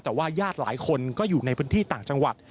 แต่ว่าญาติหลายคนก็อยู่ในพื้นที่ต่างจังหวัด